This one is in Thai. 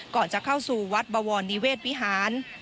ก่อนจะเข้าสู่วัดบวรนิเวศวิหาร